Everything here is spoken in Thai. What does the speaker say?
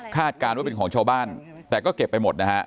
การว่าเป็นของชาวบ้านแต่ก็เก็บไปหมดนะฮะ